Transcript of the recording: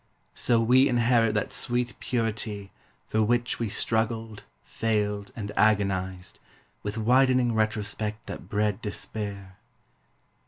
So we inherit that sweet purity For which we struggled, failed, and agonized With widening retrospect that bred despair.